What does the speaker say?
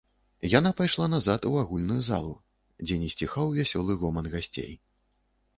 Яна пайшла назад у агульную залу, дзе не сціхаў вясёлы гоман гасцей.